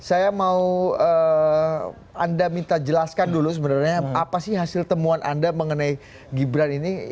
saya mau anda minta jelaskan dulu sebenarnya apa sih hasil temuan anda mengenai gibran ini